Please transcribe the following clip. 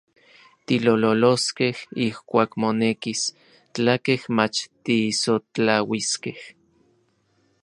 Titlololoskej ijkuak monekis, tlakej mach tisotlauiskej.